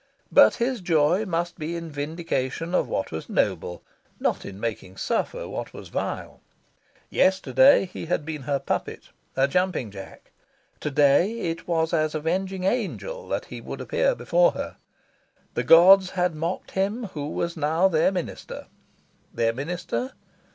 But his joy must be in vindication of what was noble, not in making suffer what was vile. Yesterday he had been her puppet, her Jumping Jack; to day it was as avenging angel that he would appear before her. The gods had mocked him who was now their minister. Their minister?